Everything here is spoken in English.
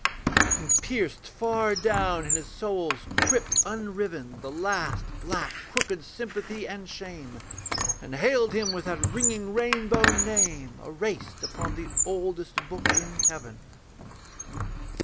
And pierced far down in his soul's crypt unriven The last black crooked sympathy and shame, And hailed him with that ringing rainbow name Erased upon the oldest book in heaven.